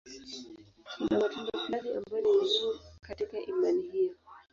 Kuna matendo fulani ambayo ni muhimu katika imani hiyo.